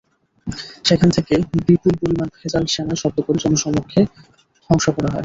সেখান থেকে বিপুল পরিমাণ ভেজাল সেমাই জব্দ করে জনসমক্ষে ধ্বংস করা হয়।